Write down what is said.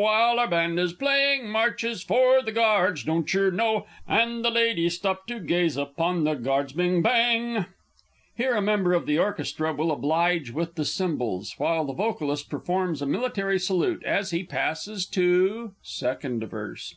While our band is playing Marches, For the Guards! Doncher know? And the ladies stop to gaze upon the Guards, Bing Bang! [_Here a member of the orchestra will oblige with the cymbals, while the Vocalist performs a military salute, as he passes to_ _Second Verse.